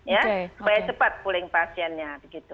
supaya cepat pooling pasiennya